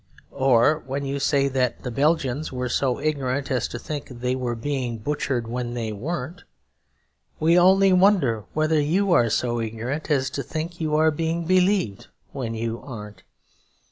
Or when you say that the Belgians were so ignorant as to think they were being butchered when they weren't, we only wonder whether you are so ignorant as to think you are being believed when you aren't.